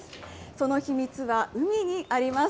その秘密が海にあります。